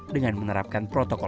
dengan menerapkan protokol psbb